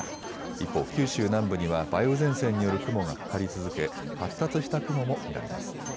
一方、九州南部には梅雨前線による雲がかかり続け発達した雲も見られます。